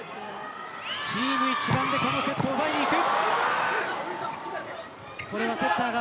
チーム一丸でこのセットを奪いにいく。